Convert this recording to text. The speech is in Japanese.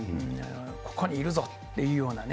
ここにいるぞっていうようなね。